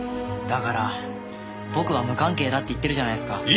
だから僕は無関係だって言ってるじゃないですか。